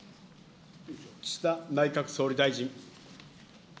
岸田内閣総理大臣。